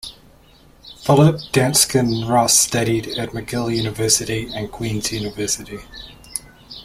Philip Dansken Ross studied at McGill University and Queen's University.